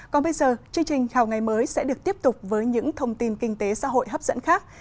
còn bây giờ chương trình chào ngày mới sẽ được tiếp tục với những thông tin kinh tế xã hội hấp dẫn khác